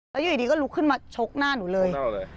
แล้วอยู่ดีก็ลุกขึ้นมาชกหน้าหนูเลย